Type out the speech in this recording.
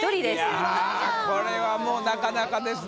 いやこれはもうなかなかですね。